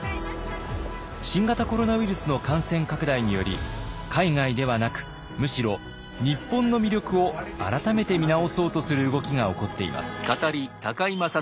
新型コロナウイルスの感染拡大により海外ではなくむしろ日本の魅力を改めて見直そうとする動きが起こっています。